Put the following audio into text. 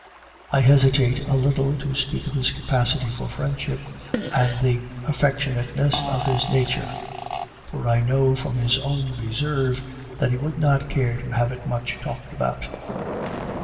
I hesitate a little to speak of his capacity for friendship and the affectionateness of his nature, for I know from his own reserve that he would not care to have it much talked about.